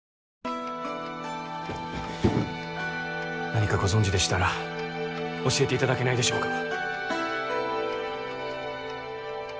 何かご存じでしたら教えていただけないでしょうか？